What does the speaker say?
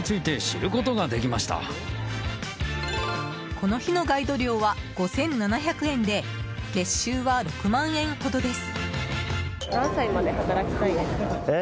この日のガイド料は５７００円で月収は６万円ほどです。